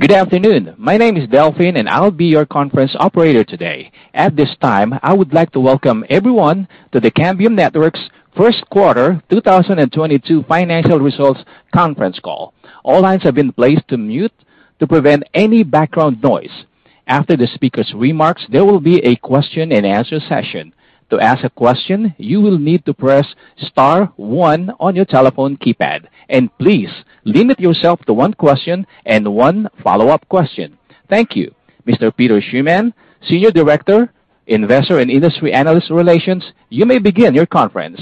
Good afternoon. My name is Delphine, and I'll be your conference operator today. At this time, I would like to welcome everyone to the Cambium Networks first quarter 2022 financial results conference call. All lines have been placed to mute to prevent any background noise. After the speaker's remarks, there will be a question-and-answer session. To ask a question, you will need to press star one on your telephone keypad. Please limit yourself to one question and one follow-up question. Thank you. Mr. Peter Schuman, Senior Director, Investor and Industry Analyst Relations, you may begin your conference.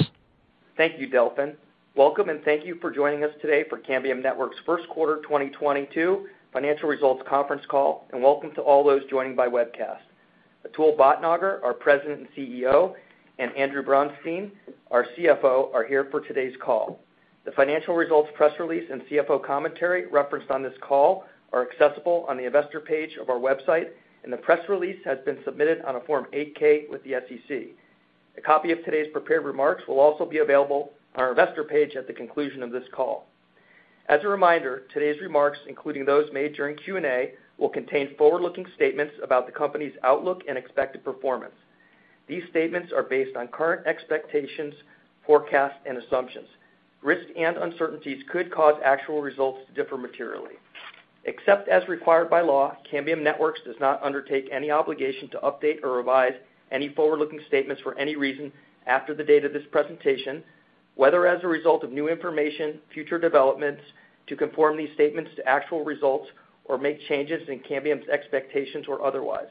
Thank you, Delphine. Welcome and thank you for joining us today for Cambium Networks first quarter 2022 financial results conference call, and welcome to all those joining by webcast. Atul Bhatnagar, our President and CEO, and Andrew Bronstein, our CFO, are here for today's call. The financial results press release and CFO commentary referenced on this call are accessible on the investor page of our website, and the press release has been submitted on a Form 8-K with the SEC. A copy of today's prepared remarks will also be available on our investor page at the conclusion of this call. As a reminder, today's remarks, including those made during Q&A, will contain forward-looking statements about the company's outlook and expected performance. These statements are based on current expectations, forecasts, and assumptions. Risks and uncertainties could cause actual results to differ materially. Except as required by law, Cambium Networks does not undertake any obligation to update or revise any forward-looking statements for any reason after the date of this presentation, whether as a result of new information, future developments, to conform these statements to actual results, or make changes in Cambium's expectations or otherwise.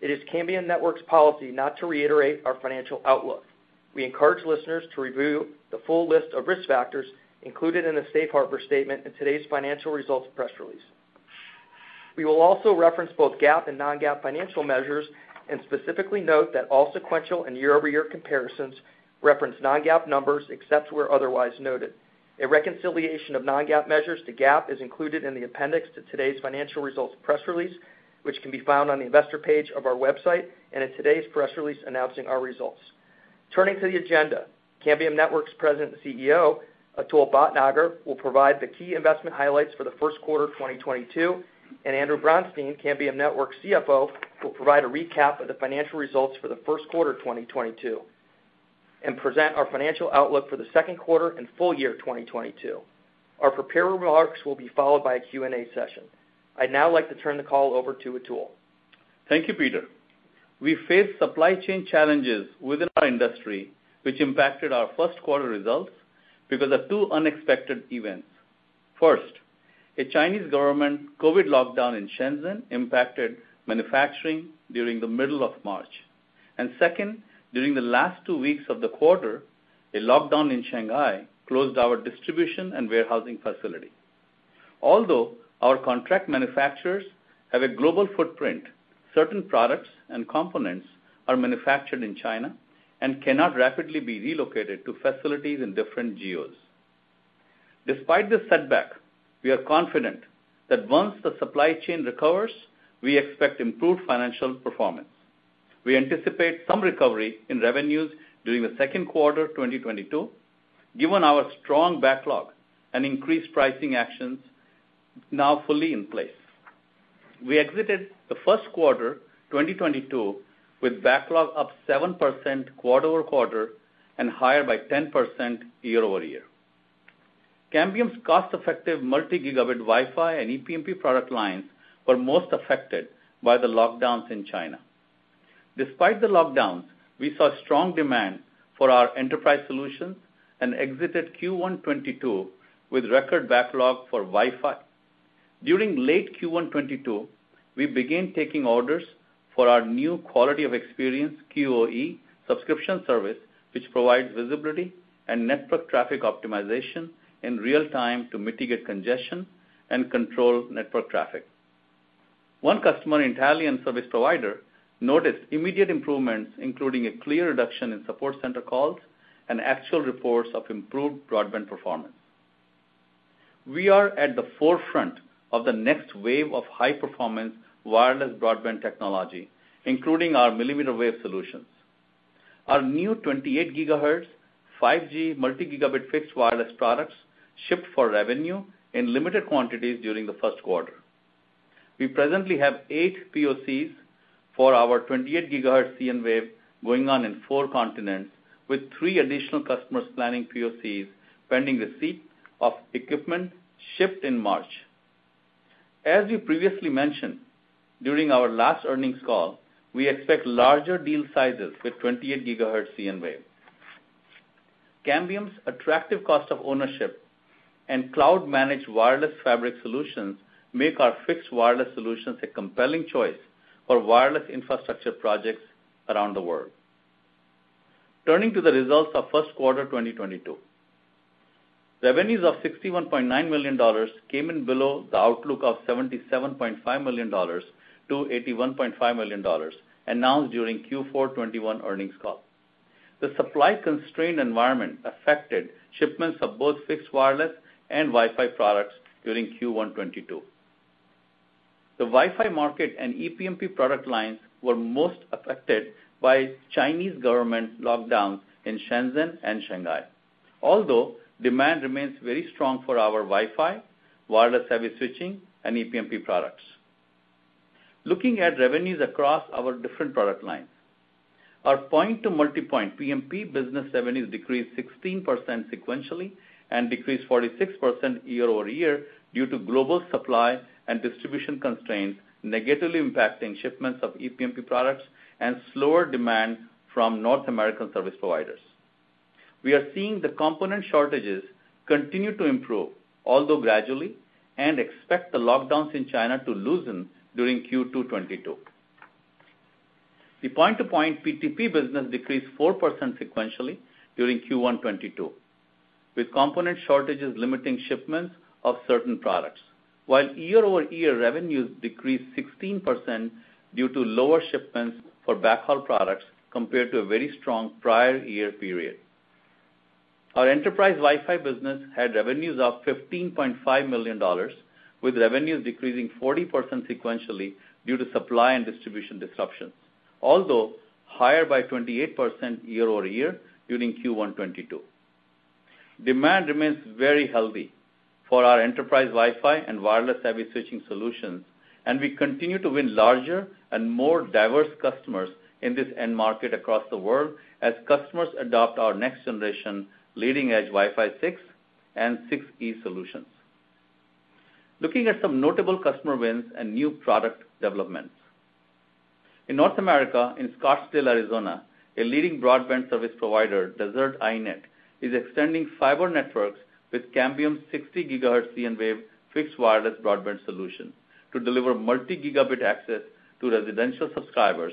It is Cambium Networks policy not to reiterate our financial outlook. We encourage listeners to review the full list of risk factors included in the safe harbor statement in today's financial results press release. We will also reference both GAAP and non-GAAP financial measures, and specifically note that all sequential and year-over-year comparisons reference non-GAAP numbers, except where otherwise noted. A reconciliation of non-GAAP measures to GAAP is included in the appendix to today's financial results press release, which can be found on the investor page of our website and in today's press release announcing our results. Turning to the agenda. Cambium Networks President and CEO, Atul Bhatnagar, will provide the key investment highlights for the first quarter 2022, and Andrew Bronstein, Cambium Networks CFO, will provide a recap of the financial results for the first quarter 2022, and present our financial outlook for the second quarter and full year 2022. Our prepared remarks will be followed by a Q&A session. I'd now like to turn the call over to Atul. Thank you, Peter. We faced supply chain challenges within our industry, which impacted our first quarter results because of two unexpected events. First, a Chinese government COVID lockdown in Shenzhen impacted manufacturing during the middle of March. Second, during the last two weeks of the quarter, a lockdown in Shanghai closed our distribution and warehousing facility. Although our contract manufacturers have a global footprint, certain products and components are manufactured in China and cannot rapidly be relocated to facilities in different geos. Despite this setback, we are confident that once the supply chain recovers, we expect improved financial performance. We anticipate some recovery in revenues during the second quarter 2022, given our strong backlog and increased pricing actions now fully in place. We exited the first quarter 2022 with backlog up 7% quarter-over-quarter and higher by 10% year-over-year. Cambium's cost-effective multi-gigabit Wi-Fi and ePMP product lines were most affected by the lockdowns in China. Despite the lockdowns, we saw strong demand for our enterprise solutions and exited Q1 2022 with record backlog for Wi-Fi. During late Q1 2022, we began taking orders for our new quality of experience, QoE, subscription service, which provides visibility and network traffic optimization in real time to mitigate congestion and control network traffic. One customer, an Italian service provider, noticed immediate improvements, including a clear reduction in support center calls and actual reports of improved broadband performance. We are at the forefront of the next wave of high-performance wireless broadband technology, including our millimeter wave solutions. Our new 28 GHz, 5G multi-gigabit fixed wireless products shipped for revenue in limited quantities during the first quarter. We presently have 8 POCs for our 28 GHz cnWave going on in four continents, with three additional customers planning POCs pending receipt of equipment shipped in March. As we previously mentioned during our last earnings call, we expect larger deal sizes with 28 GHz cnWave. Cambium's attractive cost of ownership and cloud-managed wireless fabric solutions make our fixed wireless solutions a compelling choice for wireless infrastructure projects around the world. Turning to the results of first quarter 2022. Revenues of $61.9 million came in below the outlook of $77.5 million-$81.5 million announced during Q4 2021 earnings call. The supply-constrained environment affected shipments of both fixed wireless and Wi-Fi products during Q1 2022. The Wi-Fi market and ePMP product lines were most affected by Chinese government lockdowns in Shenzhen and Shanghai. Although demand remains very strong for our Wi-Fi, wireless-aware switching, and ePMP products. Looking at revenues across our different product lines. Our point-to-multipoint PMP business revenues decreased 16% sequentially and decreased 46% year-over-year due to global supply and distribution constraints negatively impacting shipments of ePMP products and slower demand from North American service providers. We are seeing the component shortages continue to improve, although gradually, and expect the lockdowns in China to loosen during Q2 2022. The point-to-point PTP business decreased 4% sequentially during Q1 2022, with component shortages limiting shipments of certain products. While year-over-year revenues decreased 16% due to lower shipments for backhaul products compared to a very strong prior year period. Our enterprise Wi-Fi business had revenues of $15.5 million, with revenues decreasing 40% sequentially due to supply and distribution disruptions, although higher by 28% year-over-year during Q1 2022. Demand remains very healthy for our enterprise Wi-Fi and wireless-aware switching solutions, and we continue to win larger and more diverse customers in this end market across the world as customers adopt our next generation leading edge Wi-Fi 6 and 6E solutions. Looking at some notable customer wins and new product developments. In North America, in Scottsdale, Arizona, a leading broadband service provider, Desert iNET, is extending fiber networks with Cambium 60 GHz cnWave fixed wireless broadband solution to deliver multi-gigabit access to residential subscribers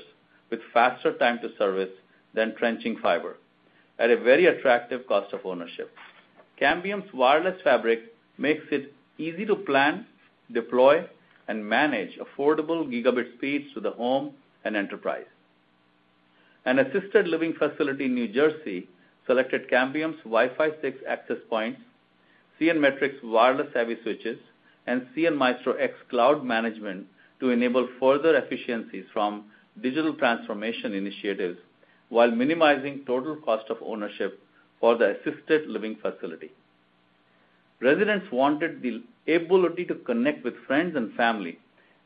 with faster time to service than trenching fiber at a very attractive cost of ownership. Cambium's wireless fabric makes it easy to plan, deploy, and manage affordable gigabit speeds to the home and enterprise. An assisted living facility in New Jersey selected Cambium's Wi-Fi 6 access points, cnMatrix wireless-aware switches, and cnMaestro X cloud management to enable further efficiencies from digital transformation initiatives while minimizing total cost of ownership for the assisted living facility. Residents wanted the ability to connect with friends and family,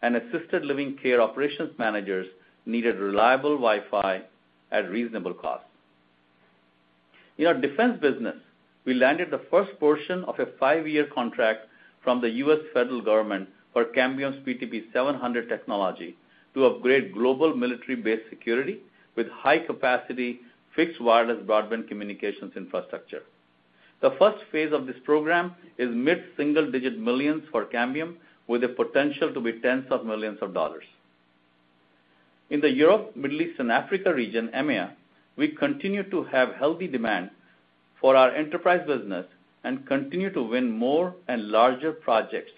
and assisted living care operations managers needed reliable Wi-Fi at reasonable cost. In our defense business, we landed the first portion of a five-year contract from the U.S. federal government for Cambium's PTP 700 technology to upgrade global military-based security with high-capacity fixed wireless broadband communications infrastructure. The first phase of this program is mid-single-digit millions for Cambium, with the potential to be tens of millions of dollars. In the Europe, Middle East, and Africa region, EMEA, we continue to have healthy demand for our enterprise business and continue to win more and larger projects,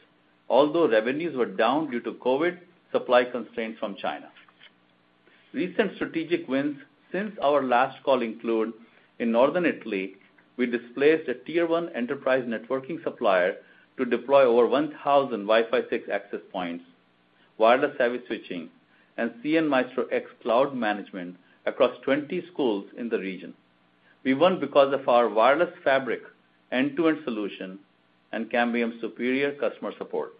although revenues were down due to COVID supply constraints from China. Recent strategic wins since our last call include in Northern Italy, we displaced a tier one enterprise networking supplier to deploy over 1,000 Wi-Fi 6 access points, wireless-aware switching, and cnMaestro X cloud management across 20 schools in the region. We won because of our wireless fabric end-to-end solution and Cambium's superior customer support.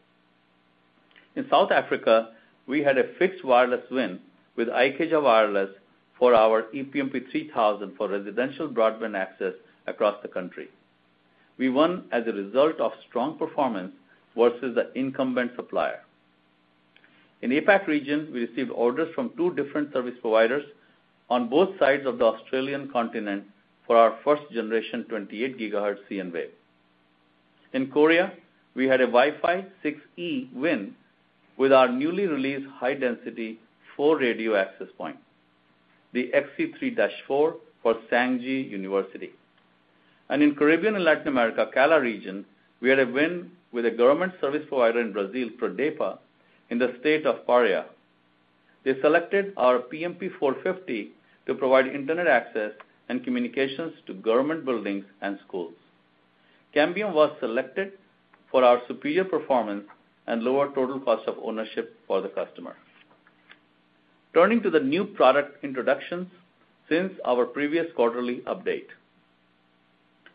In South Africa, we had a fixed wireless win with Ikeja Wireless for our ePMP 3000 for residential broadband access across the country. We won as a result of strong performance versus the incumbent supplier. In APAC region, we received orders from two different service providers on both sides of the Australian continent for our first generation 28 GHz cnWave. In Korea, we had a Wi-Fi 6E win with our newly released high-density four-radio access point, the XV3-4 for Sangji University. In Caribbean and Latin America, CALA region, we had a win with a government service provider in Brazil, Prodepa, in the state of Pará. They selected our PMP-450 to provide internet access and communications to government buildings and schools. Cambium was selected for our superior performance and lower total cost of ownership for the customer. Turning to the new product introductions since our previous quarterly update.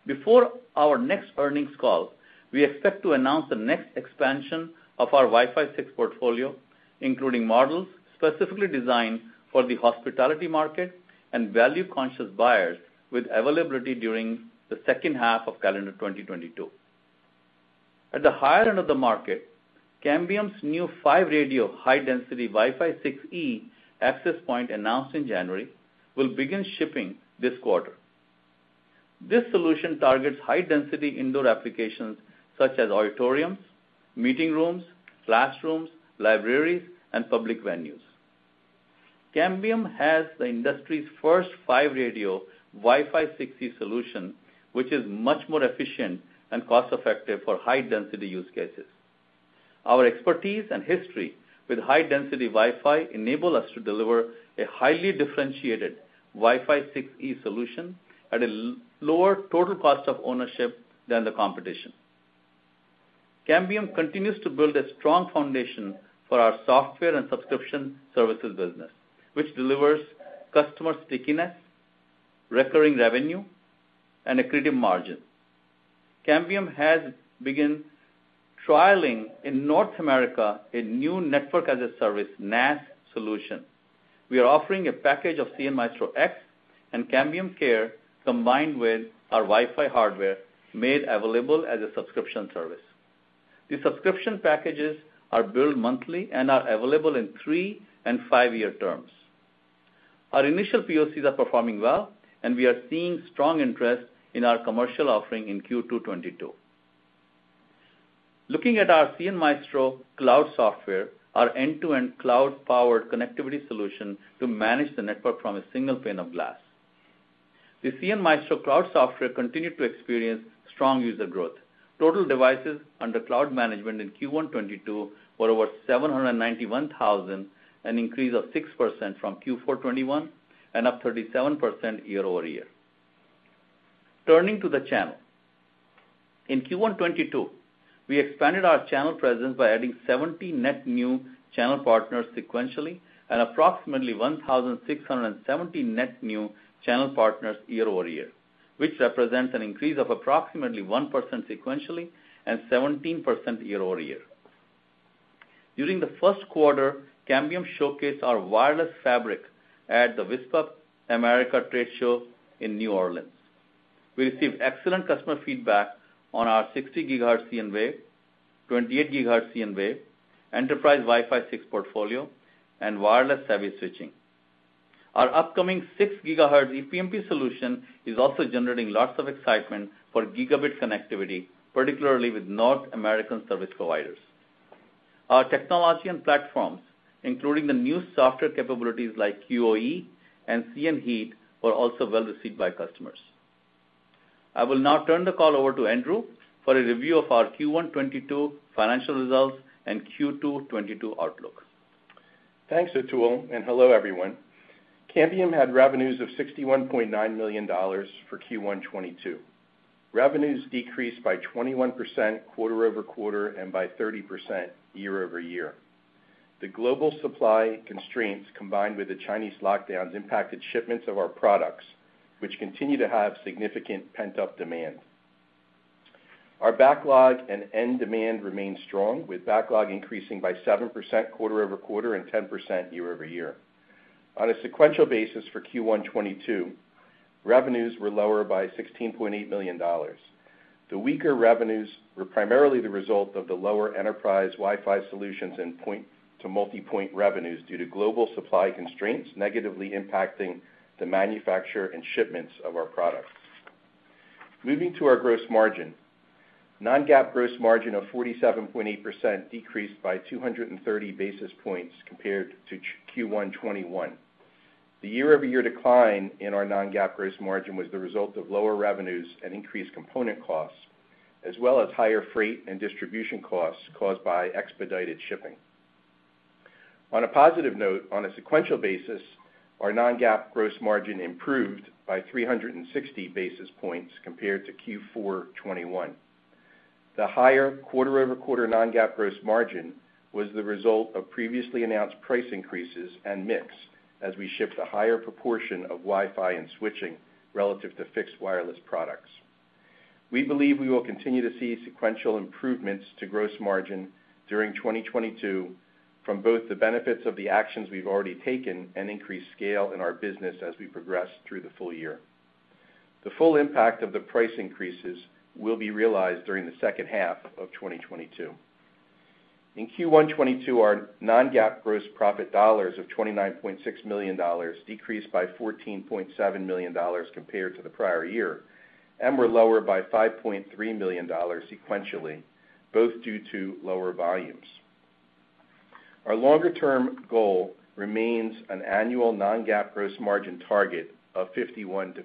Before our next earnings call, we expect to announce the next expansion of our Wi-Fi 6 portfolio, including models specifically designed for the hospitality market and value-conscious buyers with availability during the second half of calendar 2022. At the higher end of the market, Cambium's new five-radio high-density Wi-Fi 6E access point announced in January will begin shipping this quarter. This solution targets high-density indoor applications such as auditoriums, meeting rooms, classrooms, libraries, and public venues. Cambium has the industry's first five-radio Wi-Fi 6E solution, which is much more efficient and cost-effective for high-density use cases. Our expertise and history with high-density Wi-Fi enable us to deliver a highly differentiated Wi-Fi 6E solution at a lower total cost of ownership than the competition. Cambium continues to build a strong foundation for our software and subscription services business, which delivers customer stickiness, recurring revenue, and accretive margin. Cambium has begun trialing in North America a new Network as a Service, NaaS solution. We are offering a package of cnMaestro X and Cambium Care combined with our Wi-Fi hardware made available as a subscription service. These subscription packages are billed monthly and are available in three- and five-year terms. Our initial POCs are performing well, and we are seeing strong interest in our commercial offering in Q2 2022. Looking at our cnMaestro Cloud software, our end-to-end cloud-powered connectivity solution to manage the network from a single pane of glass. The cnMaestro Cloud software continued to experience strong user growth. Total devices under cloud management in Q1 2022 were over 791,000, an increase of 6% from Q4 2021 and up 37% year-over-year. Turning to the channel. In Q1 2022, we expanded our channel presence by adding 70 net new channel partners sequentially and approximately 1,670 net new channel partners year-over-year, which represents an increase of approximately 1% sequentially and 17% year-over-year. During the first quarter, Cambium showcased our wireless fabric at the WISPAMERICA trade show in New Orleans. We received excellent customer feedback on our 60 GHz cnWave, 28 GHz cnWave, enterprise Wi-Fi 6 portfolio, and wireless-aware switching. Our upcoming 6 GHz EPMP solution is also generating lots of excitement for gigabit connectivity, particularly with North American service providers. Our technology and platforms, including the new software capabilities like QoE and cnHeat, were also well received by customers. I will now turn the call over to Andrew for a review of our Q1 2022 financial results and Q2 2022 outlook. Thanks, Atul, and hello, everyone. Cambium had revenues of $61.9 million for Q1 2022. Revenues decreased by 21% quarter-over-quarter and by 30% year-over-year. The global supply constraints, combined with the Chinese lockdowns, impacted shipments of our products, which continue to have significant pent-up demand. Our backlog and end demand remain strong, with backlog increasing by 7% quarter-over-quarter and 10% year-over-year. On a sequential basis for Q1 2022, revenues were lower by $16.8 million. The weaker revenues were primarily the result of the lower enterprise Wi-Fi solutions and point-to-multipoint revenues due to global supply constraints negatively impacting the manufacture and shipments of our products. Moving to our gross margin. non-GAAP gross margin of 47.8% decreased by 230 basis points compared to Q1 2021. The year-over-year decline in our non-GAAP gross margin was the result of lower revenues and increased component costs, as well as higher freight and distribution costs caused by expedited shipping. On a positive note, on a sequential basis, our non-GAAP gross margin improved by 360 basis points compared to Q4 2021. The higher quarter-over-quarter non-GAAP gross margin was the result of previously announced price increases and mix as we shipped a higher proportion of Wi-Fi and switching relative to fixed wireless products. We believe we will continue to see sequential improvements to gross margin during 2022 from both the benefits of the actions we've already taken and increased scale in our business as we progress through the full year. The full impact of the price increases will be realized during the second half of 2022. In Q1 2022, our non-GAAP gross profit dollars of $29.6 million decreased by $14.7 million compared to the prior year and were lower by $5.3 million sequentially, both due to lower volumes. Our longer-term goal remains an annual non-GAAP gross margin target of 51%-52%.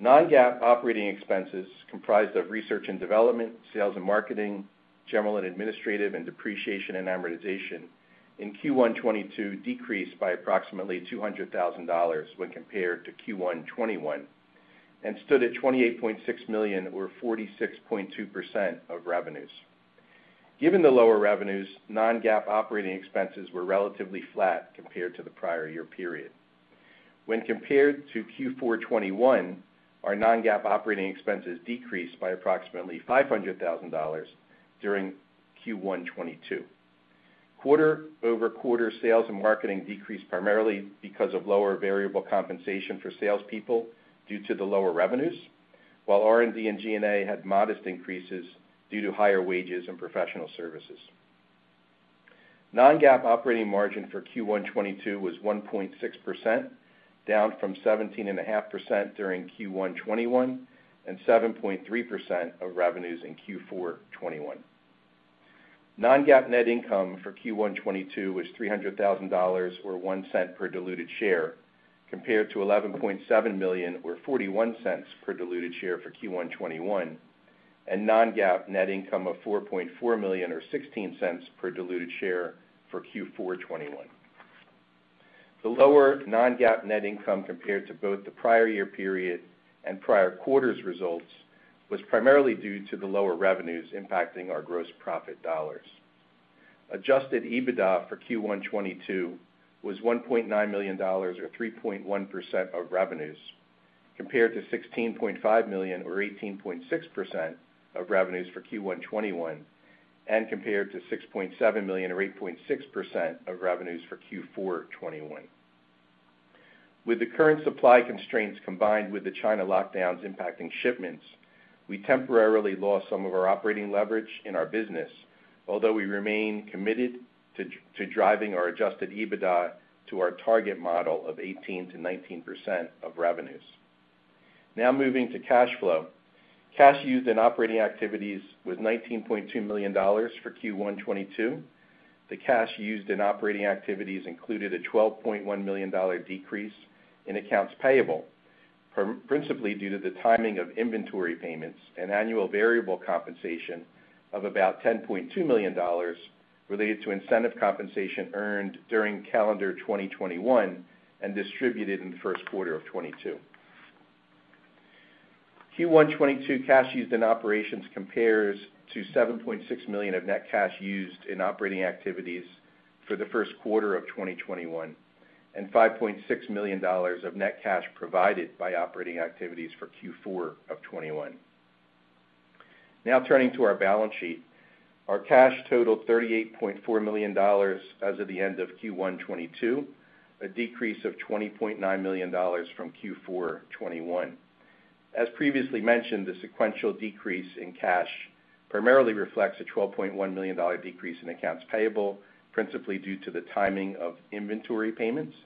Non-GAAP operating expenses comprised of research and development, sales and marketing, general and administrative, and depreciation and amortization in Q1 2022 decreased by approximately $200,000 when compared to Q1 2021 and stood at $28.6 million or 46.2% of revenues. Given the lower revenues, non-GAAP operating expenses were relatively flat compared to the prior year period. When compared to Q4 2021, our non-GAAP operating expenses decreased by approximately $500,000 during Q1 2022. Quarter-over-quarter sales and marketing decreased primarily because of lower variable compensation for salespeople due to the lower revenues, while R&D and G&A had modest increases due to higher wages and professional services. non-GAAP operating margin for Q1 2022 was 1.6%, down from 17.5% during Q1 2021 and 7.3% of revenues in Q4 2021. non-GAAP net income for Q1 2022 was $300,000 or $0.01 per diluted share, compared to $11.7 million or $0.41 per diluted share for Q1 2021, and non-GAAP net income of $4.4 million or $0.16 per diluted share for Q4 2021. The lower non-GAAP net income compared to both the prior year period and prior quarter's results was primarily due to the lower revenues impacting our gross profit dollars. Adjusted EBITDA for Q1 2022 was $1.9 million or 3.1% of revenues, compared to $16.5 million or 18.6% of revenues for Q1 2022, and compared to $6.7 million or 8.6% of revenues for Q4 2021. With the current supply constraints combined with the China lockdowns impacting shipments, we temporarily lost some of our operating leverage in our business, although we remain committed to driving our adjusted EBITDA to our target model of 18%-19% of revenues. Now moving to cash flow. Cash used in operating activities was $19.2 million for Q1 2022. The cash used in operating activities included a $12.1 million decrease in accounts payable, principally due to the timing of inventory payments and annual variable compensation of about $10.2 million related to incentive compensation earned during calendar 2021 and distributed in the first quarter of 2022. Q1 2022 cash used in operations compares to $7.6 million of net cash used in operating activities for the first quarter of 2021, and $5.6 million of net cash provided by operating activities for Q4 of 2021. Now turning to our balance sheet. Our cash totaled $38.4 million as of the end of Q1 2022, a decrease of $20.9 million from Q4 2021. As previously mentioned, the sequential decrease in cash primarily reflects a $12.1 million decrease in accounts payable, principally due to the timing of inventory payments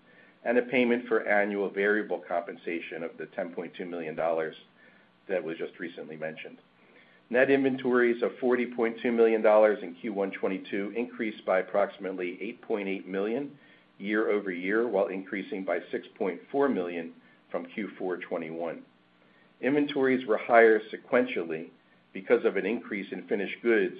and a payment for annual variable compensation of the $10.2 million that was just recently mentioned. Net inventories of $40.2 million in Q1 2022 increased by approximately $8.8 million year-over-year, while increasing by $6.4 million from Q4 2021. Inventories were higher sequentially because of an increase in finished goods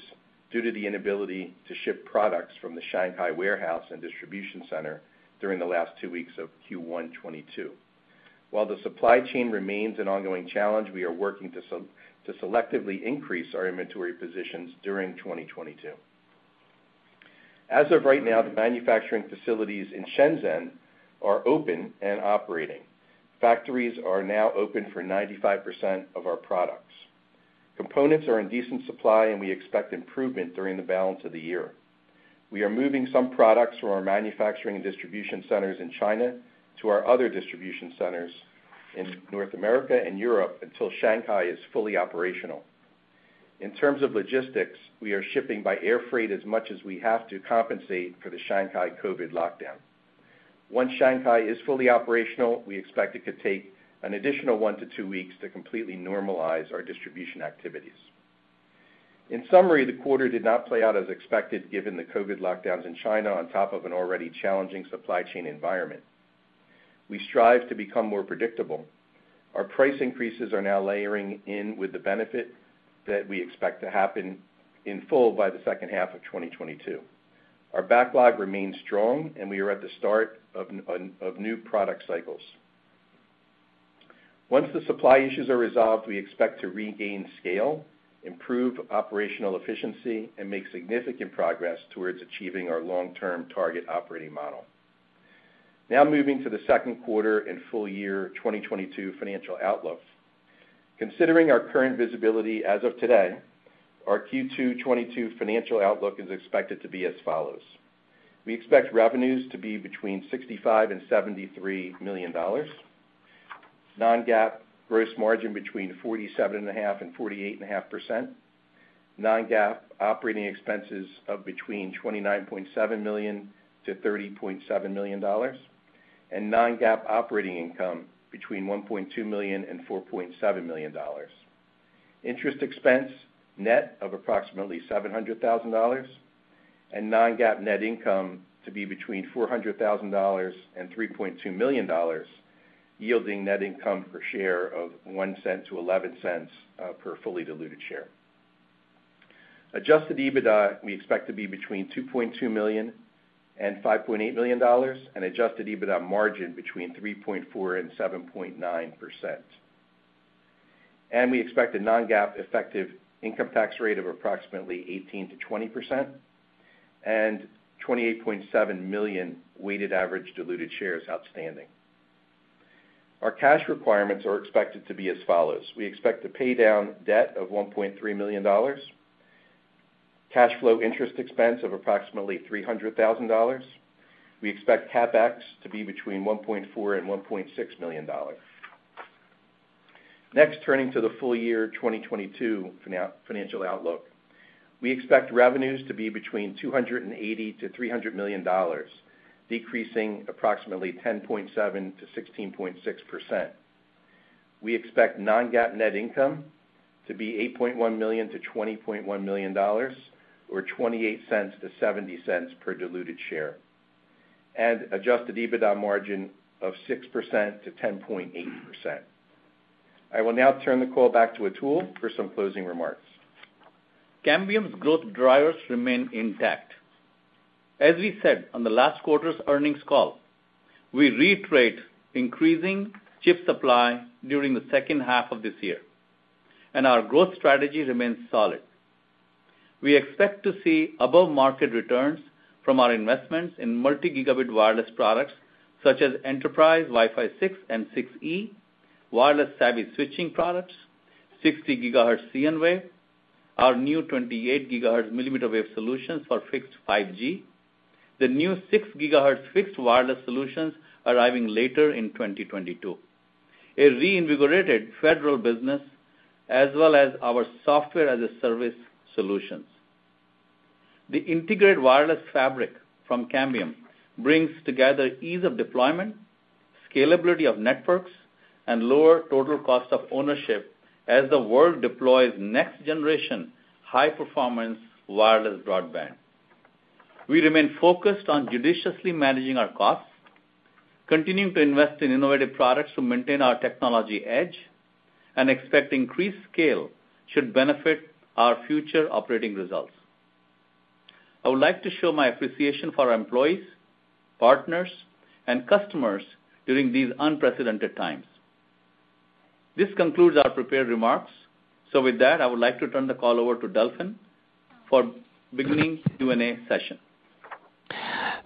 due to the inability to ship products from the Shanghai warehouse and distribution center during the last two weeks of Q1 2022. While the supply chain remains an ongoing challenge, we are working to selectively increase our inventory positions during 2022. As of right now, the manufacturing facilities in Shenzhen are open and operating. Factories are now open for 95% of our products. Components are in decent supply, and we expect improvement during the balance of the year. We are moving some products from our manufacturing and distribution centers in China to our other distribution centers in North America and Europe until Shanghai is fully operational. In terms of logistics, we are shipping by air freight as much as we have to compensate for the Shanghai COVID lockdown. Once Shanghai is fully operational, we expect it could take an additional one to two weeks to completely normalize our distribution activities. In summary, the quarter did not play out as expected given the COVID lockdowns in China on top of an already challenging supply chain environment. We strive to become more predictable. Our price increases are now layering in with the benefit that we expect to happen in full by the second half of 2022. Our backlog remains strong, and we are at the start of new product cycles. Once the supply issues are resolved, we expect to regain scale, improve operational efficiency, and make significant progress towards achieving our long-term target operating model. Now moving to the second quarter and full year 2022 financial outlook. Considering our current visibility as of today, our Q2 2022 financial outlook is expected to be as follows. We expect revenues to be between $65 million and $73 million, non-GAAP gross margin between 47.5% and 48.5%, non-GAAP operating expenses of between $29.7 million and $30.7 million, and non-GAAP operating income between $1.2 million and $4.7 million. Interest expense net of approximately $700,000, and non-GAAP net income to be between $400,000 and $3.2 million, yielding net income per share of $0.01-$0.11 per fully diluted share. Adjusted EBITDA we expect to be between $2.2 million and $5.8 million, and adjusted EBITDA margin between 3.4% and 7.9%. We expect a non-GAAP effective income tax rate of approximately 18%-20% and 28.7 million weighted average diluted shares outstanding. Our cash requirements are expected to be as follows. We expect to pay down debt of $1.3 million, cash flow interest expense of approximately $300,000. We expect CapEx to be between $1.4 million and $1.6 million. Next, turning to the full year 2022 financial outlook. We expect revenues to be between $280 million and $300 million, decreasing approximately 10.7%-16.6%. We expect non-GAAP net income to be $8.1 million-$20.1 million, or $0.28-$0.70 per diluted share, and adjusted EBITDA margin of 6%-10.8%. I will now turn the call back to Atul for some closing remarks. Cambium's growth drivers remain intact. As we said on the last quarter's earnings call, we reiterate increasing chip supply during the second half of this year, and our growth strategy remains solid. We expect to see above-market returns from our investments in multi-gigabit wireless products, such as enterprise Wi-Fi 6 and 6E, wireless-aware switching products, 60 GHz cnWave, our new 28 GHz millimeter wave solutions for fixed 5G, the new 6 GHz fixed wireless solutions arriving later in 2022, a reinvigorated federal business, as well as our software as a service solutions. The integrated wireless fabric from Cambium brings together ease of deployment, scalability of networks, and lower total cost of ownership as the world deploys next-generation high-performance wireless broadband. We remain focused on judiciously managing our costs, continuing to invest in innovative products to maintain our technology edge, and expect increased scale should benefit our future operating results. I would like to show my appreciation for our employees, partners, and customers during these unprecedented times. This concludes our prepared remarks. With that, I would like to turn the call over to Delphin for beginning the Q&A session.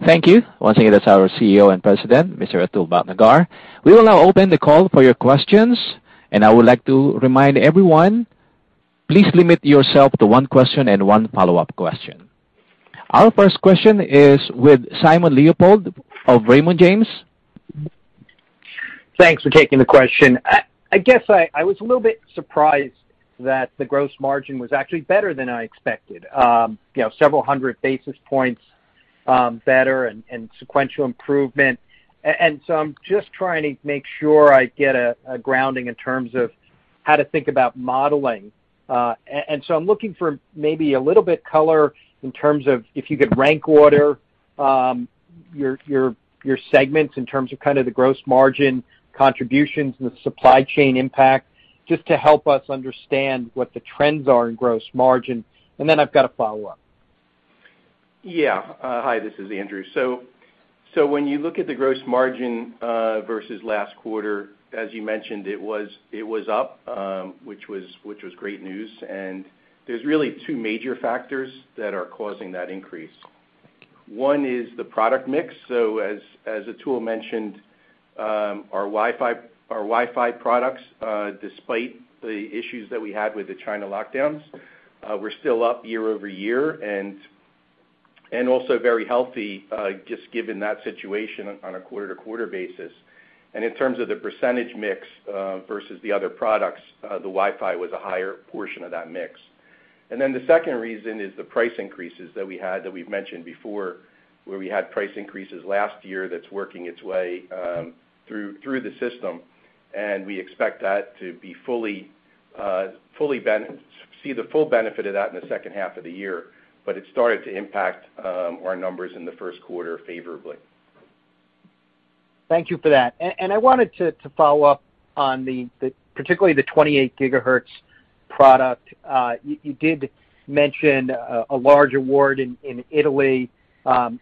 Thank you. Once again, that's our CEO and President, Mr. Atul Bhatnagar. We will now open the call for your questions, and I would like to remind everyone, please limit yourself to one question and one follow-up question. Our first question is with Simon Leopold of Raymond James. Thanks for taking the question. I guess I was a little bit surprised that the gross margin was actually better than I expected. You know, several hundred basis points better and sequential improvement. So I'm just trying to make sure I get a grounding in terms of how to think about modeling. So I'm looking for maybe a little bit color in terms of if you could rank order your segments in terms of kind of the gross margin contributions and the supply chain impact, just to help us understand what the trends are in gross margin. Then I've got a follow-up. Yeah. Hi, this is Andrew. When you look at the gross margin versus last quarter, as you mentioned, it was up, which was great news. There's really two major factors that are causing that increase. One is the product mix. As Atul mentioned, our Wi-Fi products, despite the issues that we had with the China lockdowns, we're still up year-over-year and also very healthy, just given that situation on a quarter-to-quarter basis. In terms of the percentage mix versus the other products, the Wi-Fi was a higher portion of that mix. The second reason is the price increases that we had that we've mentioned before, where we had price increases last year that's working its way through the system. We expect that to see the full benefit of that in the second half of the year, but it started to impact our numbers in the first quarter favorably. Thank you for that. I wanted to follow up on the particularly the 28 GHz product. You did mention a large award in Italy, and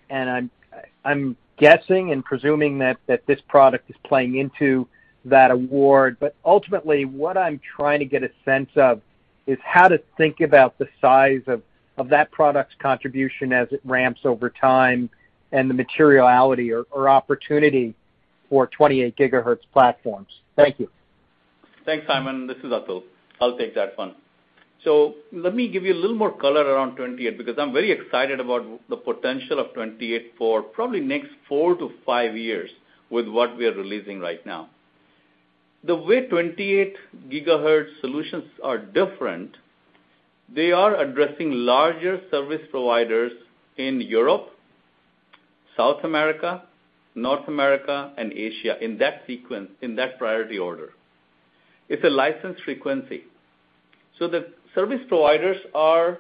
I'm guessing and presuming that this product is playing into that award. Ultimately, what I'm trying to get a sense of is how to think about the size of that product's contribution as it ramps over time and the materiality or opportunity for 28 GHz platforms. Thank you. Thanks, Simon. This is Atul. I'll take that one. Let me give you a little more color around 28 because I'm very excited about the potential of 28 for probably next four to five years with what we are releasing right now. The way 28 GHz solutions are different, they are addressing larger service providers in Europe, South America, North America, and Asia, in that sequence, in that priority order. It's a licensed frequency. The service providers are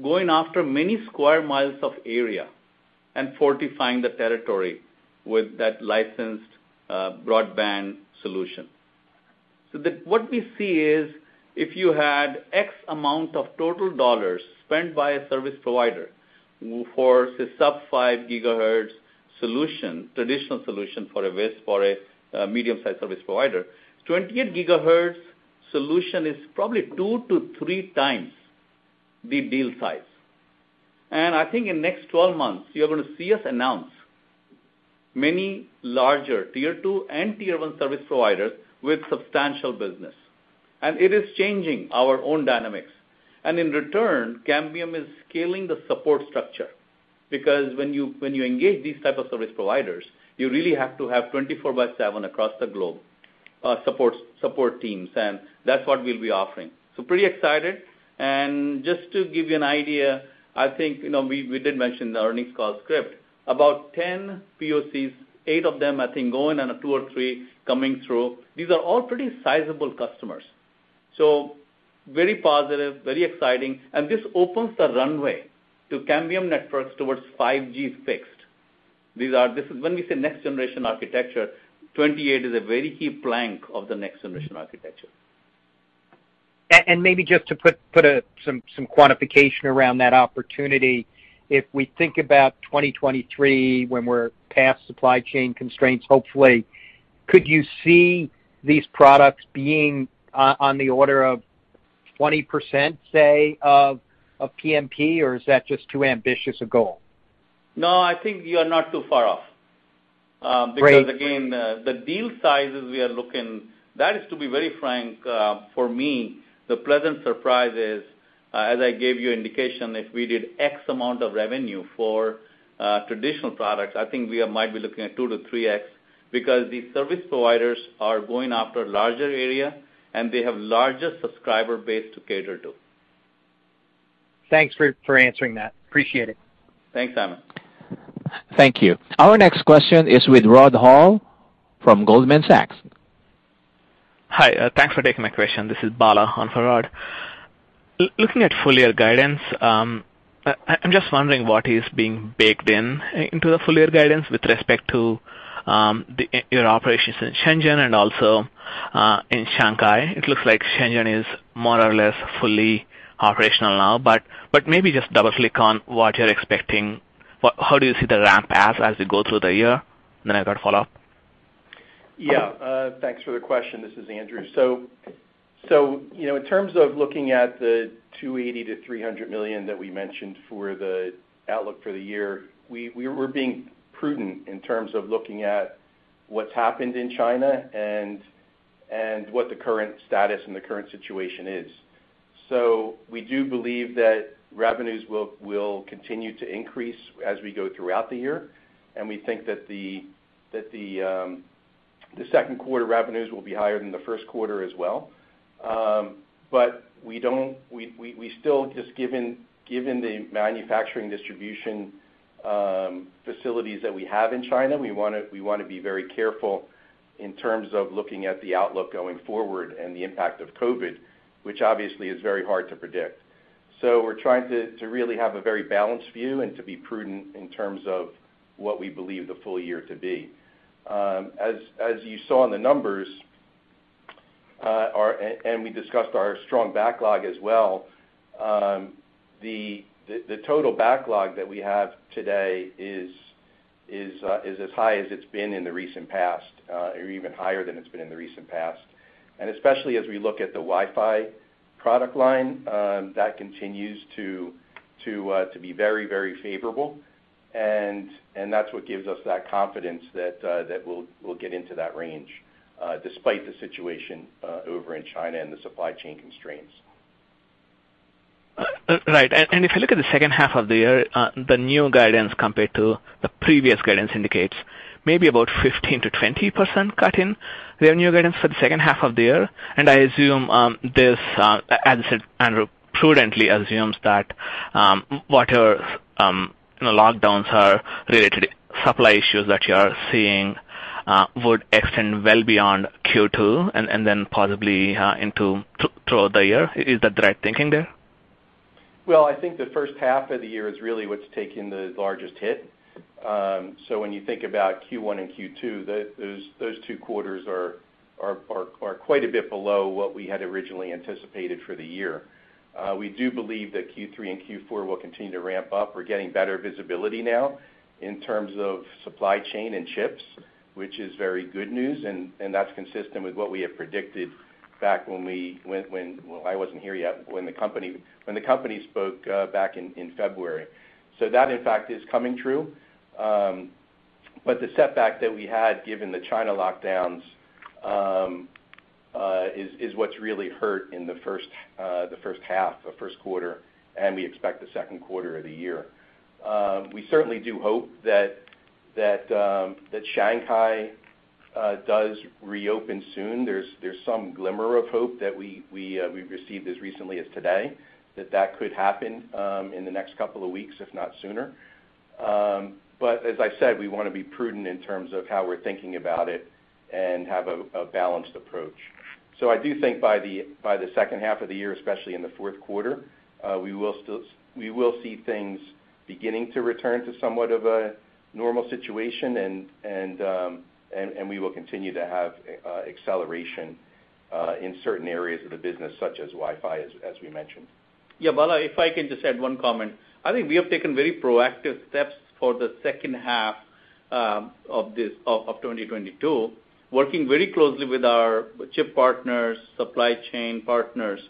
going after many square miles of area and fortifying the territory with that licensed broadband solution. What we see is if you had X amount of total dollars spent by a service provider for, say, sub-5 GHz solution, traditional solution for a WISP or a medium-sized service provider, 28 GHz solution is probably 2x-3x the deal size. I think in next 12 months, you're gonna see us announce many larger Tier 2 and Tier 1 service providers with substantial business. It is changing our own dynamics. In return, Cambium is scaling the support structure because when you engage these type of service providers, you really have to have 24/7 across the globe, support teams, and that's what we'll be offering. Pretty excited. Just to give you an idea, I think we did mention the earnings call script, about 10 POCs, eight of them I think going and a two or three coming through. These are all pretty sizable customers. Very positive, very exciting, and this opens the runway to Cambium Networks towards 5G fixed. This is when we say next generation architecture, 28 is a very key plank of the next generation architecture. Maybe just to put some quantification around that opportunity, if we think about 2023 when we're past supply chain constraints, hopefully, could you see these products being on the order of 20%, say, of PMP? Is that just too ambitious a goal? No, I think you are not too far off. Great. That is, to be very frank, for me, the pleasant surprise is, as I gave you indication, if we did X amount of revenue for traditional products, I think we might be looking at 2x-3x because these service providers are going after larger area, and they have larger subscriber base to cater to. Thanks for answering that. Appreciate it. Thanks, Simon. Thank you. Our next question is with Rod Hall from Goldman Sachs. Hi, thanks for taking my question. This is Bala on for Rod. Looking at full year guidance, I'm just wondering what is being baked in into the full year guidance with respect to your operations in Shenzhen and also in Shanghai. It looks like Shenzhen is more or less fully operational now, but maybe just double-click on what you're expecting. How do you see the ramp as we go through the year? Then I got a follow-up. Yeah, thanks for the question. This is Andrew. You know, in terms of looking at the $280 million-$300 million that we mentioned for the outlook for the year, we were being prudent in terms of looking at what's happened in China and what the current status and the current situation is. We do believe that revenues will continue to increase as we go throughout the year, and we think that the second quarter revenues will be higher than the first quarter as well. We still just given the manufacturing distribution facilities that we have in China, we wanna be very careful in terms of looking at the outlook going forward and the impact of COVID, which obviously is very hard to predict. We're trying to really have a very balanced view and to be prudent in terms of what we believe the full year to be. As you saw in the numbers, and we discussed our strong backlog as well. The total backlog that we have today is as high as it's been in the recent past, or even higher than it's been in the recent past. Especially as we look at the Wi-Fi product line, that continues to be very favorable. That's what gives us that confidence that we'll get into that range, despite the situation over in China and the supply chain constraints. Right. If you look at the second half of the year, the new guidance compared to the previous guidance indicates maybe about a 15%-20% cut in the new guidance for the second half of the year. I assume this, as Andrew prudently assumes that, whatever, you know, lockdown-related supply issues that you are seeing would extend well beyond Q2 and then possibly throughout the year. Is that the right thinking there? Well, I think the first half of the year is really what's taking the largest hit. When you think about Q1 and Q2, those two quarters are quite a bit below what we had originally anticipated for the year. We do believe that Q3 and Q4 will continue to ramp up. We're getting better visibility now in terms of supply chain and chips, which is very good news, and that's consistent with what we had predicted back. Well, I wasn't here yet, when the company spoke back in February. That, in fact, is coming true. The setback that we had given the China lockdowns is what's really hurt in the first half, the first quarter, and we expect the second quarter of the year. We certainly do hope that Shanghai does reopen soon. There's some glimmer of hope that we've received as recently as today that could happen in the next couple of weeks, if not sooner. As I said, we wanna be prudent in terms of how we're thinking about it and have a balanced approach. I do think by the second half of the year, especially in the fourth quarter, we will see things beginning to return to somewhat of a normal situation and we will continue to have acceleration in certain areas of the business, such as Wi-Fi, as we mentioned. Yeah, Bala, if I can just add one comment. I think we have taken very proactive steps for the second half of 2022, working very closely with our chip partners, supply chain partners,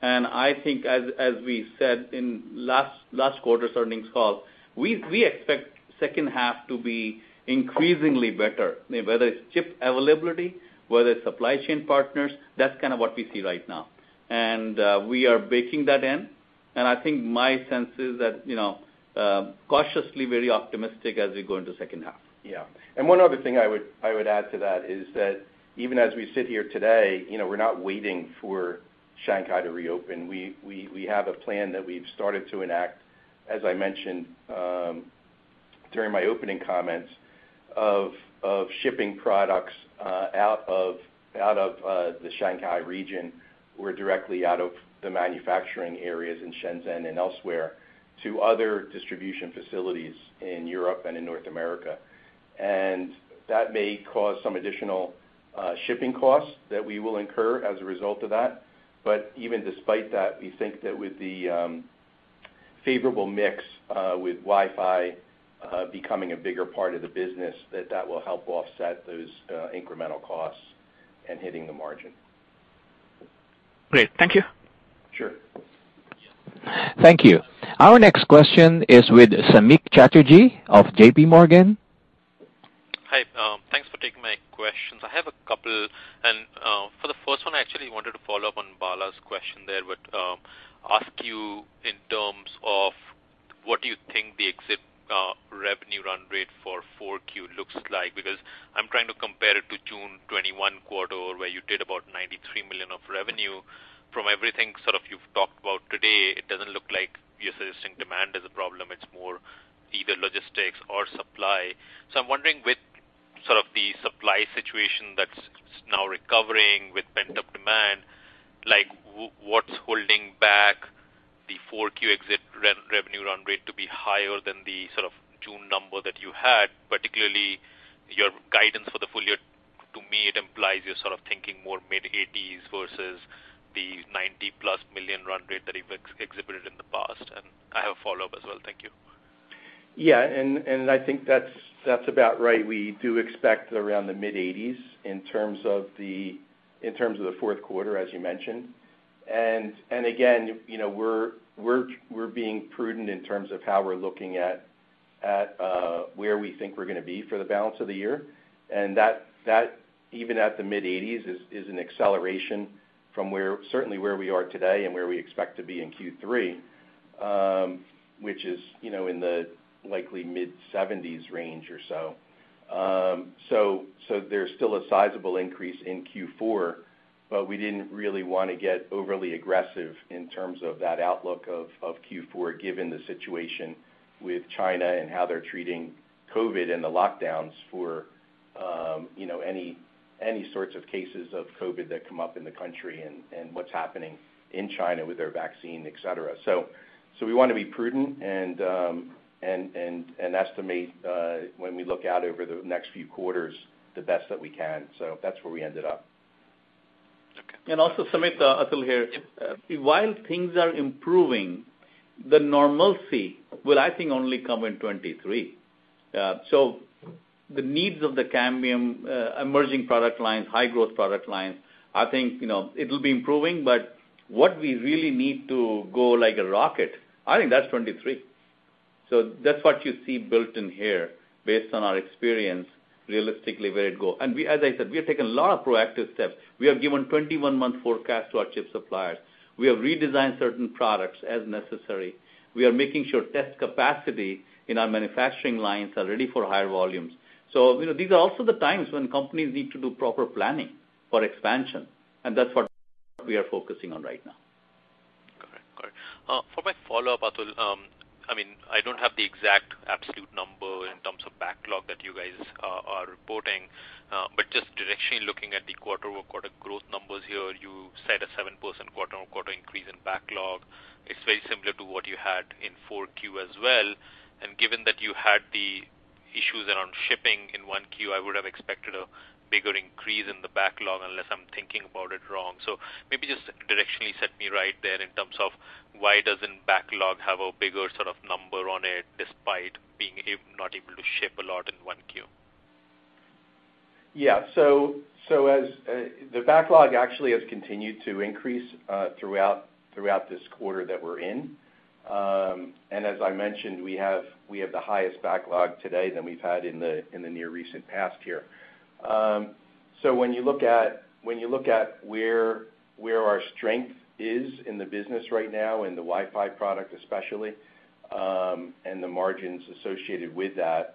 and I think as we said in last quarter's earnings call, we expect second half to be increasingly better. Whether it's chip availability, whether it's supply chain partners, that's kinda what we see right now. We are baking that in. I think my sense is that, you know, cautiously very optimistic as we go into second half. Yeah. One other thing I would add to that is that even as we sit here today, you know, we're not waiting for Shanghai to reopen. We have a plan that we've started to enact. As I mentioned during my opening comments of shipping products out of the Shanghai region or directly out of the manufacturing areas in Shenzhen and elsewhere to other distribution facilities in Europe and in North America. That may cause some additional shipping costs that we will incur as a result of that. Even despite that, we think that with the favorable mix with Wi-Fi becoming a bigger part of the business, that will help offset those incremental costs and hitting the margin. Great. Thank you. Sure. Thank you. Our next question is with Samik Chatterjee of JPMorgan. Hi. Thanks for taking my questions. I have a couple, and for the first one, I actually wanted to follow up on Bala's question there with ask you in terms of what you think the exit revenue run rate for Q4 looks like, because I'm trying to compare it to June 2021 quarter, where you did about $93 million of revenue. From everything sort of you've talked about today, it doesn't look like you're suggesting demand is a problem, it's more either logistics or supply. I'm wondering with sort of the supply situation that's now recovering with pent-up demand, like, what's holding back the Q4 exit revenue run rate to be higher than the sort of June number that you had, particularly your guidance for the full year. To me, it implies you're sort of thinking more mid-$80s million versus the $90+ million run rate that you've exhibited in the past. I have a follow-up as well. Thank you. Yeah. I think that's about right. We do expect around the mid-$80s million in terms of the fourth quarter, as you mentioned. Again, you know, we're being prudent in terms of how we're looking at where we think we're gonna be for the balance of the year. That, even at the mid-$80s million, is an acceleration from where we are today, certainly, and where we expect to be in Q3, which is, you know, in the likely mid-$70s million range or so. There's still a sizable increase in Q4, but we didn't really wanna get overly aggressive in terms of that outlook of Q4 given the situation with China and how they're treating COVID and the lockdowns for, you know, any sorts of cases of COVID that come up in the country and what's happening in China with their vaccine, etc. We wanna be prudent and estimate, when we look out over the next few quarters the best that we can. That's where we ended up. Also, Samik, Atul here. While things are improving, the normalcy will, I think, only come in 2023. So the needs of the Cambium emerging product lines, high-growth product lines, I think, you know, it'll be improving, but what we really need to go like a rocket, I think that's 2023. So that's what you see built in here based on our experience realistically where it go. As I said, we have taken a lot of proactive steps. We have given 20-month forecast to our chip suppliers. We are making sure test capacity in our manufacturing lines are ready for higher volumes. So, you know, these are also the times when companies need to do proper planning for expansion, and that's what we are focusing on right now. For my follow-up, Atul, I mean, I don't have the exact absolute number in terms of backlog that you guys are reporting, but just directionally looking at the quarter-over-quarter growth numbers here, you said a 7% quarter-over-quarter increase in backlog. It's very similar to what you had in 4Q as well. Given that you had the issues around shipping in 1Q, I would have expected a bigger increase in the backlog, unless I'm thinking about it wrong. Maybe just directionally set me right there in terms of why doesn't backlog have a bigger sort of number on it despite not being able to ship a lot in 1Q. Yeah. The backlog actually has continued to increase throughout this quarter that we're in. As I mentioned, we have the highest backlog today than we've had in the near recent past here. When you look at where our strength is in the business right now, in the Wi-Fi product especially, and the margins associated with that,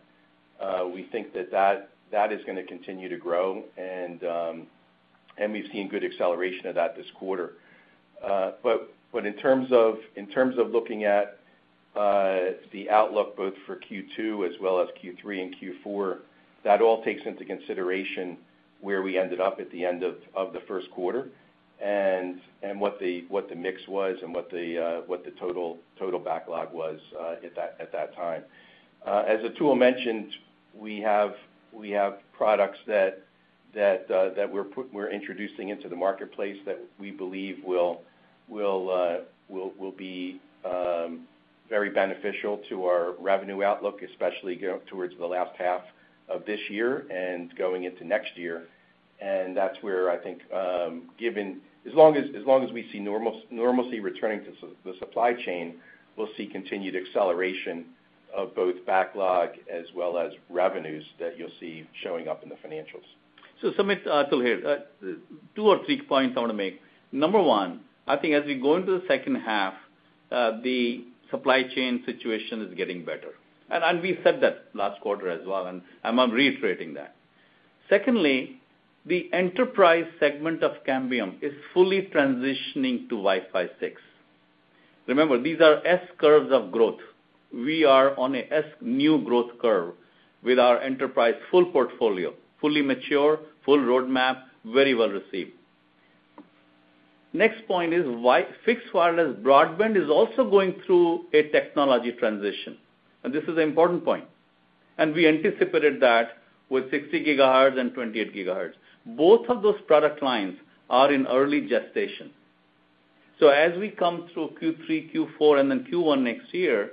we think that is gonna continue to grow and we've seen good acceleration of that this quarter. In terms of looking at the outlook both for Q2 as well as Q3 and Q4, that all takes into consideration where we ended up at the end of the first quarter and what the mix was and what the total backlog was at that time. As Atul mentioned, we have products that we're introducing into the marketplace that we believe will be very beneficial to our revenue outlook, especially go towards the last half of this year and going into next year. That's where I think, given as long as we see normalcy returning to the supply chain, we'll see continued acceleration of both backlog as well as revenues that you'll see showing up in the financials. Samik, Atul here. Two or three points I wanna make. Number one, I think as we go into the second half, the supply chain situation is getting better. And we said that last quarter as well, and I'm reiterating that. Secondly, the enterprise segment of Cambium is fully transitioning to Wi-Fi 6. Remember, these are S-curves of growth. We are on a new S-curve with our enterprise full portfolio, fully mature, full roadmap, very well-received. Next point is fixed wireless broadband is also going through a technology transition, and this is an important point, and we anticipated that with 60 GHz and 28 GHz. Both of those product lines are in early gestation. As we come through Q3, Q4, and then Q1 next year,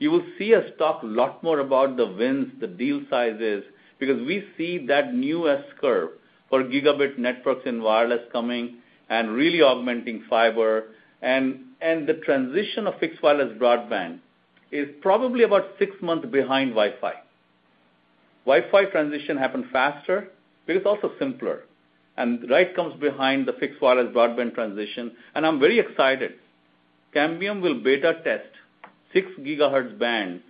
you will see us talk a lot more about the wins, the deal sizes, because we see that new S-curve for gigabit networks and wireless coming and really augmenting fiber. The transition of fixed wireless broadband is probably about six months behind Wi-Fi. Wi-Fi transition happened faster but it's also simpler, and right behind the fixed wireless broadband transition, and I'm very excited. Cambium will beta test 6 GHz band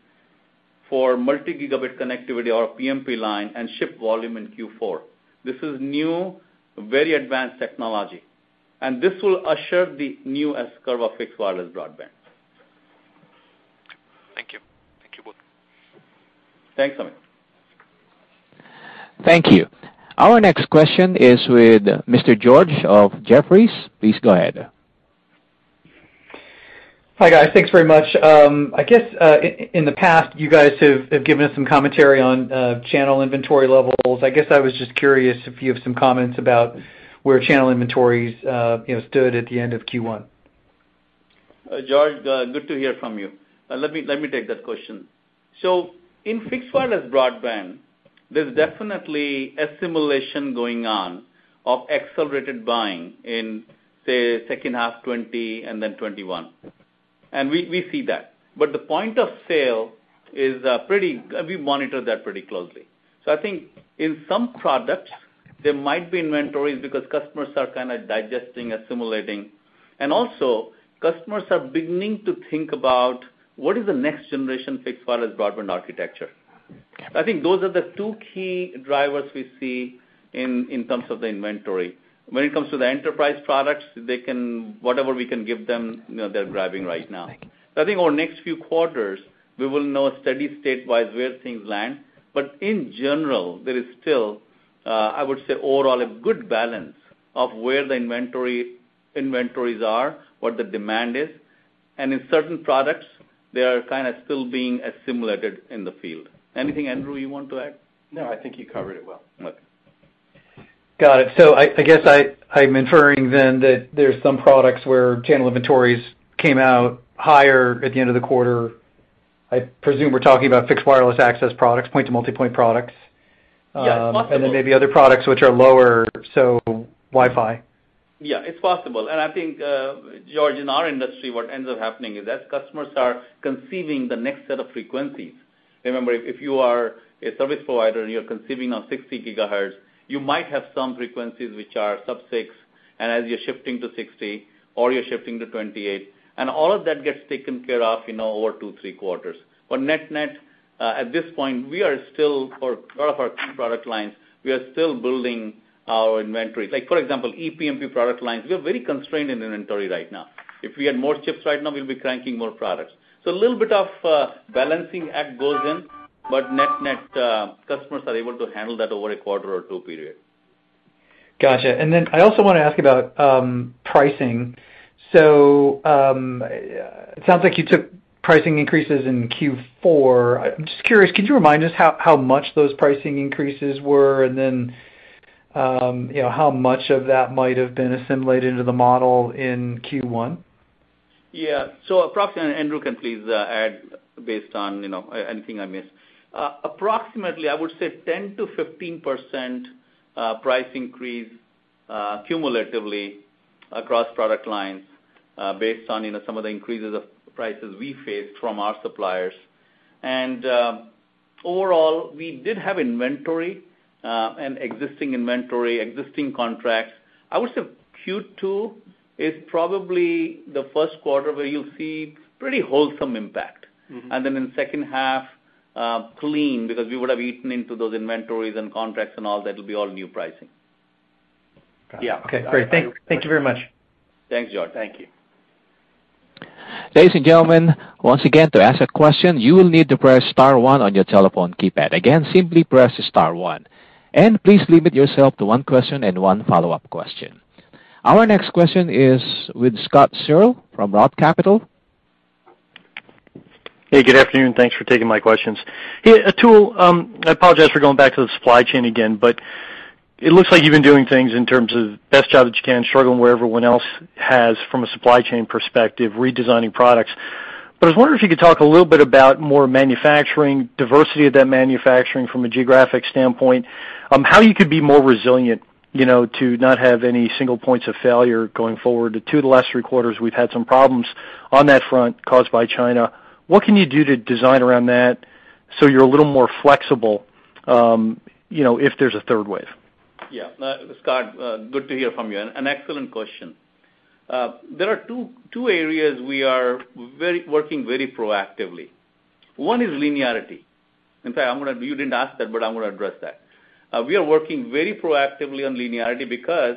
for multi-gigabit connectivity on PMP line and ship volume in Q4. This is new, very advanced technology, and this will usher the new S-curve of fixed wireless broadband. Thank you. Thank you both. Thanks, Samik. Thank you. Our next question is with Mr. George of Jefferies. Please go ahead. Hi, guys. Thanks very much. In the past, you guys have given us some commentary on channel inventory levels. I guess I was just curious if you have some comments about where channel inventories, you know, stood at the end of Q1. George, good to hear from you. Let me take that question. In fixed wireless broadband, there's definitely assimilation going on of accelerated buying in, say, second half 2020 and then 2021, and we see that. The point of sale is. We monitor that pretty closely. I think in some products, there might be inventories because customers are kinda digesting, assimilating. Also, customers are beginning to think about what is the next generation fixed wireless broadband architecture. I think those are the two key drivers we see in terms of the inventory. When it comes to the enterprise products, they can, whatever we can give them, you know, they're grabbing right now. Thank you. I think over the next few quarters we will know a steady state wise where things land. In general, there is still, I would say, overall a good balance of where the inventory, inventories are, what the demand is, and in certain products, they are kinda still being assimilated in the field. Anything, Andrew, you want to add? No, I think you covered it well. Okay. Got it. I guess I'm inferring then that there's some products where channel inventories came out higher at the end of the quarter. I presume we're talking about fixed wireless access products, point-to-multipoint products. Yeah, it's possible. Maybe other products which are lower, so Wi-Fi. Yeah, it's possible. I think, George, in our industry, what ends up happening is as customers are conceiving the next set of frequencies. Remember, if you are a service provider and you're conceiving on 60 GHz, you might have some frequencies which are sub-six, and as you're shifting to 60 GHz or you're shifting to 28 GHz, and all of that gets taken care of, you know, over two to three quarters. net-net, at this point, we are still for a lot of our key product lines, we are still building our inventory. Like for example, ePMP product lines, we are very constrained in inventory right now. If we had more chips right now, we'll be cranking more products. A little bit of balancing act goes in, but net-net, customers are able to handle that over a quarter or two period. Gotcha. I also wanna ask about pricing. It sounds like you took pricing increases in Q4. I'm just curious, could you remind us how much those pricing increases were and then you know, how much of that might have been assimilated into the model in Q1? Approximately, and Andrew can please add based on anything I miss. Approximately, I would say 10%-15% price increase cumulatively across product lines based on some of the increases of prices we faced from our suppliers. Overall, we did have inventory and existing contracts. I would say Q2 is probably the first quarter where you'll see pretty whole impact. Mm-hmm. In second half, clean, because we would have eaten into those inventories and contracts and all that. It'll be all new pricing. Got it. Yeah. Okay. Great. Thank you very much. Thanks, George. Thank you. Ladies and gentlemen, once again, to ask a question, you will need to press star one on your telephone keypad. Again, simply press star one. Please limit yourself to one question and one follow-up question. Our next question is with Scott Searle from Roth Capital Partners. Hey, good afternoon. Thanks for taking my questions. Hey, Atul, I apologize for going back to the supply chain again, but it looks like you've been doing things in terms of best job that you can, struggling where everyone else has from a supply chain perspective, redesigning products. I was wondering if you could talk a little bit about more manufacturing, diversity of that manufacturing from a geographic standpoint, how you could be more resilient, you know, to not have any single points of failure going forward. Over the last three quarters, we've had some problems on that front caused by China. What can you do to design around that so you're a little more flexible, you know, if there's a third wave? Yeah. Scott, good to hear from you, and an excellent question. There are two areas we are working very proactively. One is linearity. In fact, you didn't ask that, but I'm gonna address that. We are working very proactively on linearity because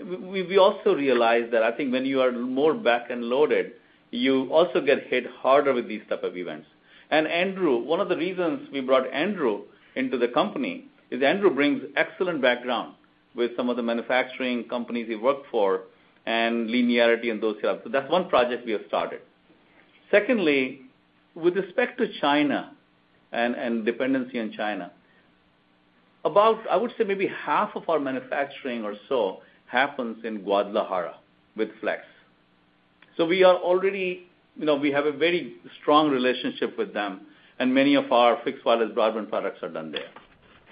we also realize that I think when you are more back-loaded, you also get hit harder with these type of events. Andrew, one of the reasons we brought Andrew into the company is Andrew brings excellent background with some of the manufacturing companies he worked for and linearity in those areas. That's one project we have started. Secondly, with respect to China and dependency on China, about, I would say maybe half of our manufacturing or so happens in Guadalajara with Flex. We are already, you know, we have a very strong relationship with them, and many of our fixed wireless broadband products are done there.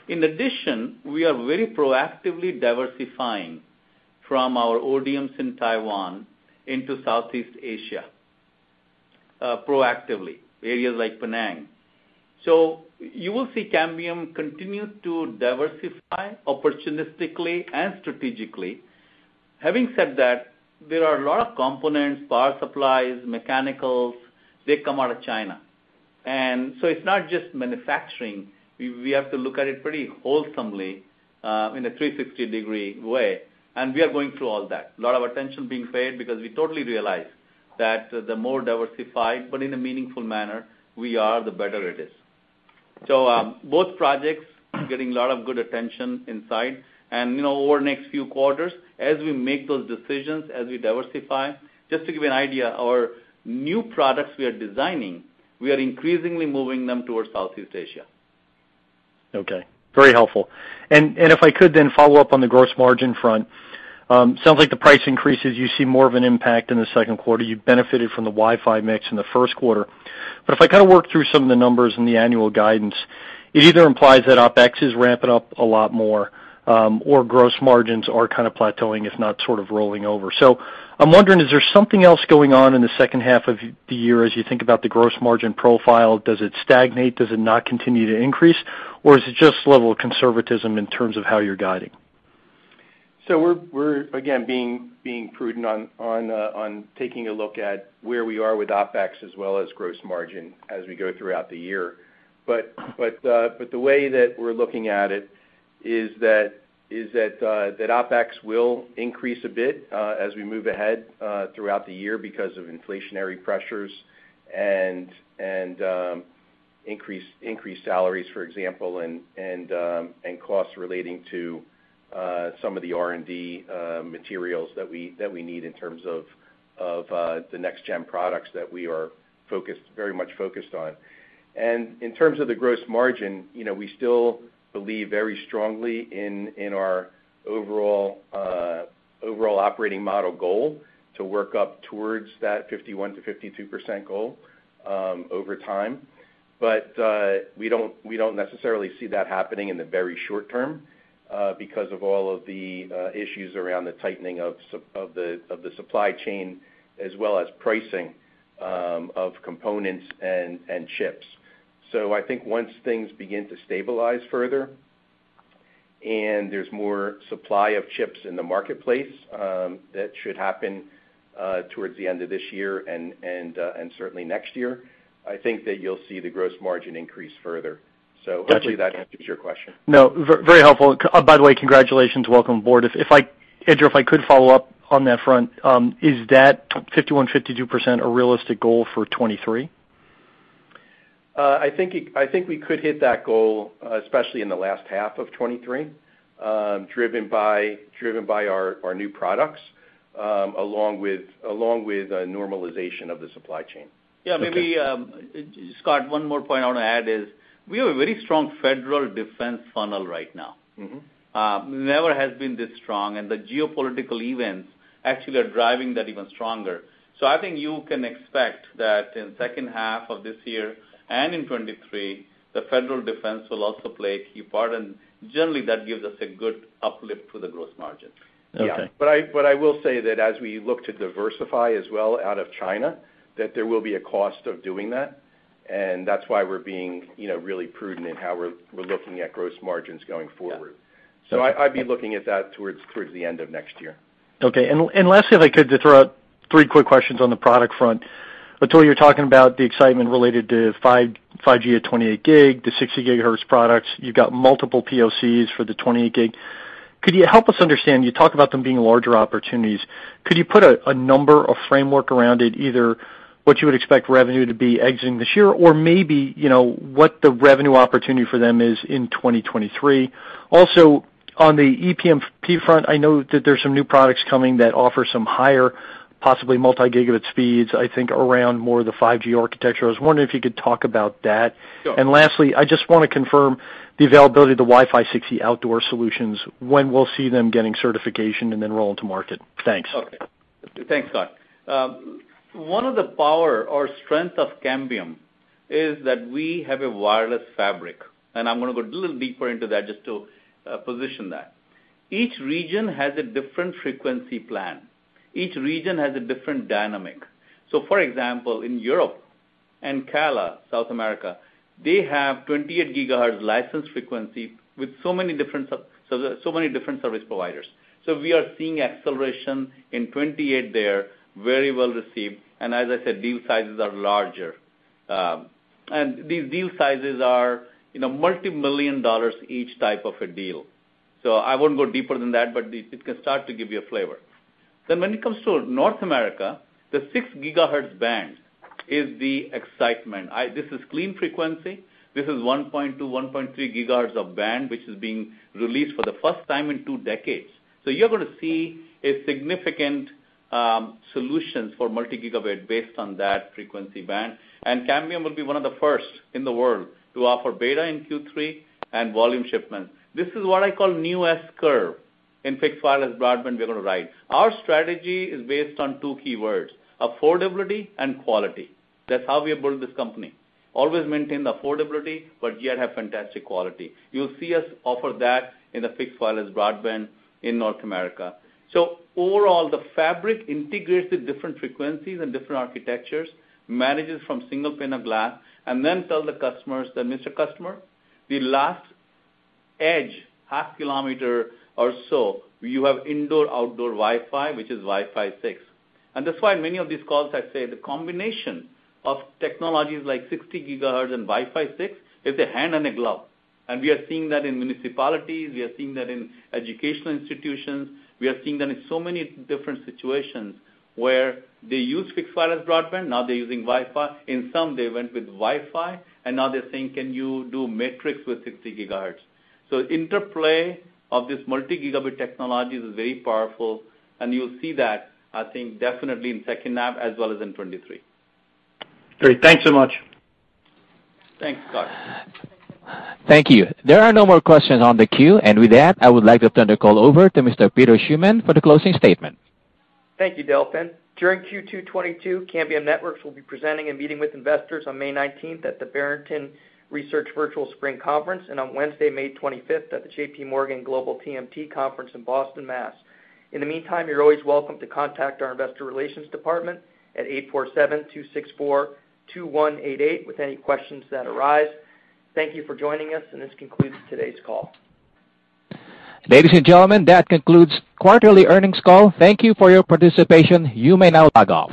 In addition, we are very proactively diversifying from our ODMs in Taiwan into Southeast Asia, proactively, areas like Penang. You will see Cambium continue to diversify opportunistically and strategically. Having said that, there are a lot of components, power supplies, mechanicals, they come out of China. It's not just manufacturing. We have to look at it pretty holistically, in a 360-degree way, and we are going through all that. A lot of attention being paid because we totally realize that the more diversified, but in a meaningful manner we are, the better it is. Both projects getting a lot of good attention inside. You know, over the next few quarters, as we make those decisions, as we diversify, just to give you an idea, our new products we are designing, we are increasingly moving them towards Southeast Asia. Okay. Very helpful. If I could then follow up on the gross margin front, sounds like the price increases, you see more of an impact in the second quarter. You benefited from the Wi-Fi mix in the first quarter. If I kinda work through some of the numbers in the annual guidance, it either implies that OpEx is ramping up a lot more, or gross margins are kinda plateauing, if not sort of rolling over. I'm wondering, is there something else going on in the second half of the year as you think about the gross margin profile? Does it stagnate? Does it not continue to increase? Is it just level of conservatism in terms of how you're guiding? We're again being prudent on taking a look at where we are with OpEx as well as gross margin as we go throughout the year. The way that we're looking at it is that OpEx will increase a bit as we move ahead throughout the year because of inflationary pressures and increased salaries, for example, and costs relating to some of the R&D materials that we need in terms of the next-gen products that we are very much focused on. In terms of the gross margin, you know, we still believe very strongly in our overall operating model goal to work up towards that 51%-52% goal over time. We don't necessarily see that happening in the very short term, because of all of the issues around the tightening of the supply chain, as well as pricing of components and chips. I think once things begin to stabilize further and there's more supply of chips in the marketplace, that should happen towards the end of this year and certainly next year. I think that you'll see the gross margin increase further. Hopefully that answers your question. No, very helpful. By the way, congratulations. Welcome aboard. Andrew, if I could follow up on that front, is that 51%-52% a realistic goal for 2023? I think we could hit that goal, especially in the last half of 2023, driven by our new products, along with a normalization of the supply chain. Okay. Yeah. Maybe, Scott, one more point I wanna add is we have a very strong federal defense funnel right now. Mm-hmm. Never has been this strong, and the geopolitical events actually are driving that even stronger. I think you can expect that in second half of this year and in 2023, the federal defense will also play a key part. Generally, that gives us a good uplift for the gross margin. Okay. Yeah. I will say that as we look to diversify as well out of China, that there will be a cost of doing that, and that's why we're being, you know, really prudent in how we're looking at gross margins going forward. Yeah. I'd be looking at that towards the end of next year. Okay. Lastly, if I could just throw out three quick questions on the product front. Atul, you're talking about the excitement related to 5G at 28 G, the 60 GHz products. You've got multiple POCs for the 28 G. Could you help us understand, you talk about them being larger opportunities, could you put a number or framework around it, either what you would expect revenue to be exiting this year, or maybe, you know, what the revenue opportunity for them is in 2023? Also, on the ePMP front, I know that there's some new products coming that offer some higher, possibly multi-gigabit speeds, I think around more of the 5G architecture. I was wondering if you could talk about that. Sure. Lastly, I just wanna confirm the availability of the Wi-Fi 6E outdoor solutions, when we'll see them getting certification and then roll into market? Thanks. Okay. Thanks, Scott. One of the power or strength of Cambium is that we have a wireless fabric, and I'm gonna go a little deeper into that just to position that. Each region has a different frequency plan. Each region has a different dynamic. For example, in Europe and CALA, South America, they have 28 GHz licensed frequency with so many different service providers. We are seeing acceleration in 28 GHz there, very well-received. As I said, deal sizes are larger, and these deal sizes are, you know, multi-million dollar each type of a deal. I won't go deeper than that, but it can start to give you a flavor. When it comes to North America, the 6 GHz band is the excitement. This is clean frequency. This is 1.2 GHz, 1.3 GHz of band, which is being released for the first time in two decades. You're gonna see a significant solutions for multi-gigabit based on that frequency band. Cambium will be one of the first in the world to offer beta in Q3 and volume shipment. This is what I call new S-curve in fixed wireless broadband we're gonna ride. Our strategy is based on two keywords, affordability and quality. That's how we build this company. Always maintain the affordability, but yet have fantastic quality. You'll see us offer that in the fixed wireless broadband in North America. Overall, the fabric integrates the different frequencies and different architectures, manages from single pane of glass, and then tell the customers that, "Mr. Customer, the last edge, 0.5 km or so, you have indoor-outdoor Wi-Fi, which is Wi-Fi 6." That's why in many of these calls I say the combination of technologies like 60 GHz and Wi-Fi 6 is a hand and a glove. We are seeing that in municipalities, we are seeing that in educational institutions, we are seeing that in so many different situations where they use fixed wireless broadband, now they're using Wi-Fi. In some, they went with Wi-Fi and now they're saying, "Can you do metrics with 60 GHz?" Interplay of this multi-gigabit technology is very powerful, and you'll see that, I think, definitely in second half as well as in 2023. Great. Thanks so much. Thanks, Scott. Thank you. There are no more questions on the queue. With that, I would like to turn the call over to Mr. Peter Schuman for the closing statement. Thank you, Delfin. During Q2 2022, Cambium Networks will be presenting and meeting with investors on May 19 at the Barrington Research Virtual Spring Conference and on Wednesday, May 25 at the JPMorgan Global TMT Conference in Boston, Mass. In the meantime, you're always welcome to contact our investor relations department at 847-264-2188 with any questions that arise. Thank you for joining us and this concludes today's call. Ladies and gentlemen, that concludes quarterly earnings call. Thank you for your participation. You may now log off.